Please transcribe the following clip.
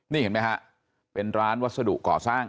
นี่เห็นไหมฮะเป็นร้านวัสดุก่อสร้าง